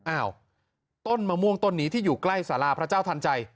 อ้าวต้นมะม่วงต้นนี้ที่อยู่ใกล้สาราพระเจ้าทันใจ